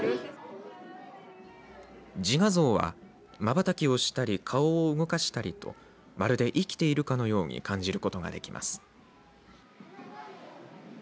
自画像はまばたきをしたり顔を動かしたりとまるで生きているかのように感じることができます。